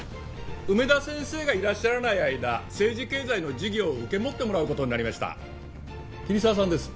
梅田先生がいらっしゃらない間政治経済の授業を受け持ってもらう事になりました桐沢さんです。